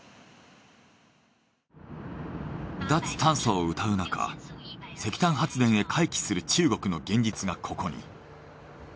脱炭素をうたうなか石炭発電へ回帰する中国の現実がここに。